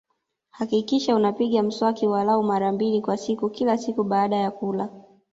Hakikisha unapiga mswaki walau mara mbili kwa siku kila siku baada ya kula